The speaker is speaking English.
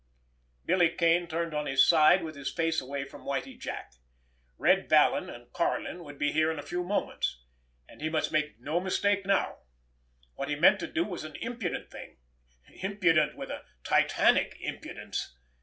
Billy Kane turned on his side, with his face away from Whitie Jack. Red Vallon and Karlin would be here in a few moments—and he must make no mistake now. What he meant to do was an impudent thing—impudent with a Titanic impudence.